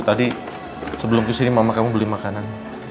tadi sebelum kesini mama kamu beli makanan